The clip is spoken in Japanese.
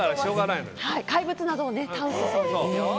怪物などを倒すそうですよ。